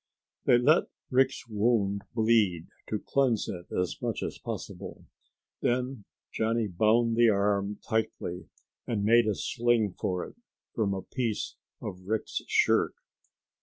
They let Rick's wound bleed to cleanse it as much as possible. Then Johnny bound the arm tightly and made a sling for it from a piece of Rick's shirt.